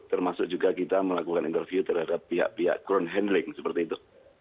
termasuk juga kita melakukan interview terhadap pihak pihak ground handling seperti itu